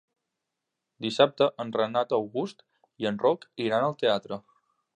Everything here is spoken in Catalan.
Dissabte en Renat August i en Roc iran al teatre.